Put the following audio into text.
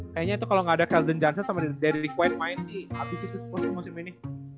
kayaknya itu kalau gak ada kelden johnson sama derry quaid main sih abis itu sempurna musim ini